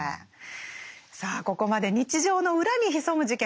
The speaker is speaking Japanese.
さあここまで日常の裏に潜む事件